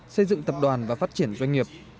xây dựng tập đoàn và phát triển doanh nghiệp